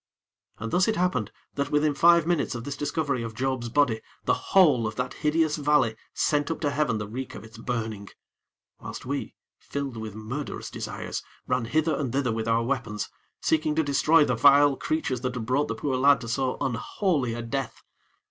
And thus it happened that within five minutes of this discovery of Job's body, the whole of that hideous valley sent up to heaven the reek of its burning; whilst we, filled with murderous desires, ran hither and thither with our weapons, seeking to destroy the vile creatures that had brought the poor lad to so unholy a death.